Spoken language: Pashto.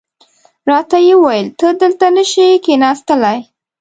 راته یې وویل ته دلته نه شې کېناستلای.